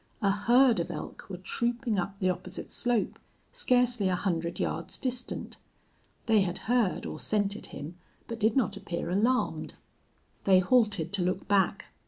A herd of elk were trooping up the opposite slope, scarcely a hundred yards distant. They had heard or scented him, but did not appear alarmed. They halted to look back.